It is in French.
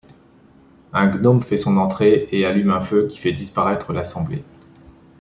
Un gnome fait son entrée et allume un feu qui fait disparaître l'assemblée.